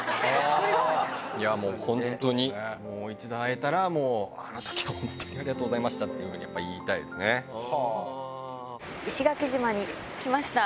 いや、もう本当に、もう一度会えたら、もう、あの時は本当にありがとうございましたっていうふうに言いたいで石垣島に来ました。